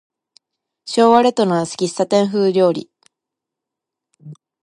昭和レトロな喫茶店風料理